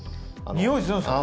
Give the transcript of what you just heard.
においするんですか？